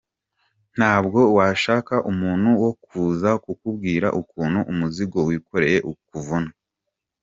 “Ntabwo washaka umuntu wo kuza kukubwira ukuntu umuzigo wikoreye ukuvuna.